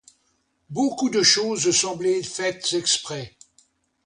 Beaucoup de choses semblaient faites exprès.